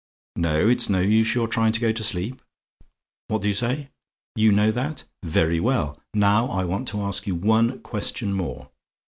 Now, it's no use your trying to go to sleep. What do you say? "YOU KNOW THAT? "Very well. Now I want to ask you one question more.